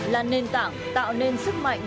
là nền tảng tạo nên sức mạnh